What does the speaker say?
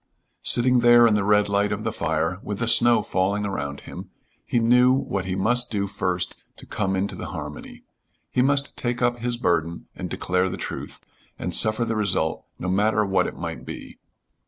Sitting there in the red light of the fire with the snow falling around him, he knew what he must do first to come into the harmony. He must take up his burden and declare the truth, and suffer the result, no matter what it might be.